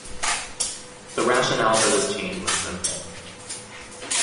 The rationale for this change was simple.